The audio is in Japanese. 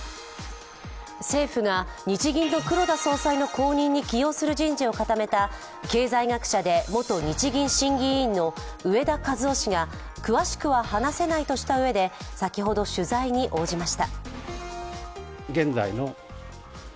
政府が日銀の黒田総裁の後任に起用する人事を固めた経済学者で元日銀審議委員の植田和男氏が詳しくは話せないとしたうえで先ほど、取材に応じました。